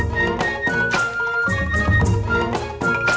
tapi adalah populasi lebih paham